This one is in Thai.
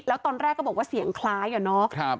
แล้วตอนแรกก็บอกว่าเสียงคล้ายเหรอเนอะครับ